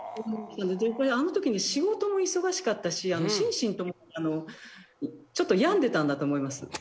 あのとき仕事も忙しかったし心身共にちょっと病んでたんだと思います。